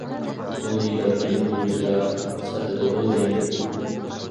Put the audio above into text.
بۇنى بەلكىم غۇلجىدا ساتىدىغۇ دەيمەن.